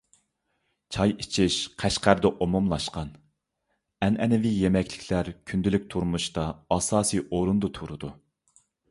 چاي ئىچىش قەشقەردە ئومۇملاشقان. ئەنئەنىۋى يېمەكلىكلەر كۈندىلىك تۇرمۇشتا ئاساسىي ئورۇندا تۇرىدۇ.